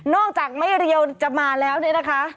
จากไม่เรียวจะมาแล้วเนี่ยนะคะ